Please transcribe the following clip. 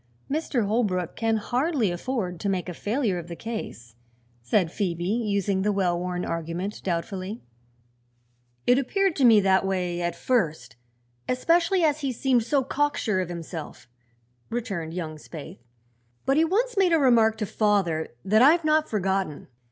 "Mr. Holbrook can hardly afford to make a failure of the case," said Phoebe, using the well worn argument doubtfully. "It appeared to me that way, at first, especially as he seemed so cocksure of himself," returned young Spaythe. "But he once made a remark to father that I've not forgotten.